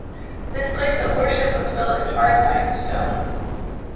This place of worship was built in hard limestone.